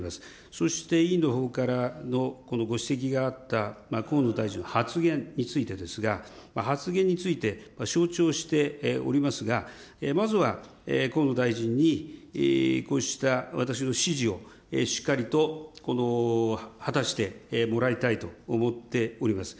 そして委員のほうからのご指摘があった、河野大臣の発言についてですが、発言について、承知をしておりますが、まずは河野大臣に、こうした私の指示をしっかりと果たしてもらいたいと思っております。